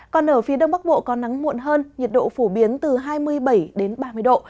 còn ở phía đông bắc bộ có nắng muộn hơn nhiệt độ phổ biến từ hai mươi bảy đến ba mươi độ